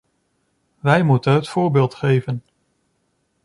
Wij moeten het voorbeeld geven.